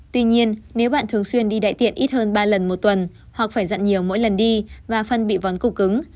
tuy nhiên nếu bạn thường xuyên đi đại tiện ít hơn ba lần một tuần hoặc phải dặn nhiều mỗi lần đi và phân bị vón cục cứng